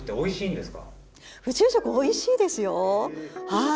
はい。